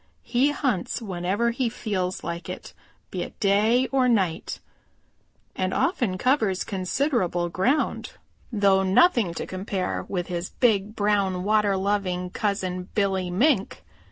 He hunts whenever he feels like it, be it day or night, and often covers considerable ground, though nothing to compare with his big, brown, water loving cousin, Billy Mink.